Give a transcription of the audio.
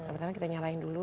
pertama kita nyalain dulu